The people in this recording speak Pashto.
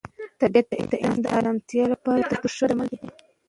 طبیعت د انسان د ارامتیا لپاره تر ټولو ښه درمل دی.